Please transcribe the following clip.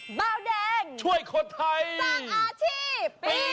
เบาแดงช่วยคนไทยสร้างอาชีพปี